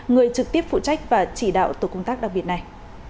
người trực tiếp phụ trách và chỉ đạo tổ công tác đặc biệt này